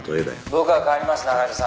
「僕が代わります仲井戸さん」